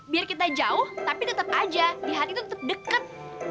biar kita jauh tapi tetap aja di hati tetap deket